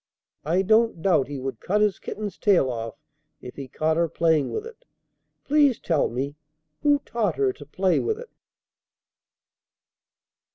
I don't doubt he would cut his kitten's tail off, if he caught her playing with it. Please tell me, who taught her to play with it?